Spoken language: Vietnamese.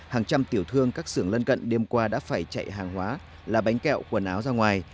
hàng trăm tiểu thương các xưởng lân cận đêm qua đã phải chạy hàng hóa là bánh kẹo quần áo ra ngoài